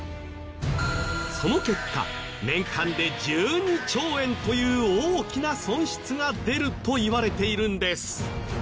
その結果年間で１２兆円という大きな損失が出るといわれているんです。